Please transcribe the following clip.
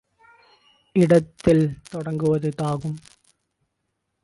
இடத்தில் தொடங்குவ தாகும்